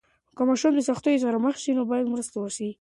که ماشوم د سختیو سره مخ سي، نو باید مرسته وسي.